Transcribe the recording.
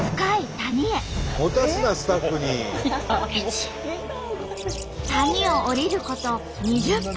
谷を下りること２０分。